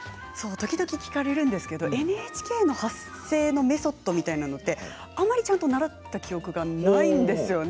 時々、聞かれるんけれどもＮＨＫの発声のメソッドみたいなのって、あまりちゃんと習った記憶がないんですよね。